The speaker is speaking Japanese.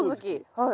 はい。